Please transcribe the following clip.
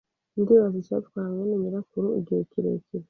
Ndibaza icyatwara mwene nyirakuru igihe kirekire.